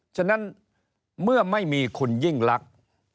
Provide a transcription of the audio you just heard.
ฉะนั้นเมื่อไม่มีคุณยิ่งลักษณ์